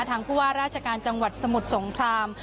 ทางผู้ว่าราชการจังหวัดสมุทรสงคราม